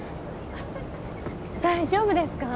大丈夫ですか？